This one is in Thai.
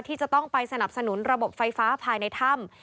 ที่จะต้องไปสนับสนุนระบบไฟฟ้าภายในถ้ำ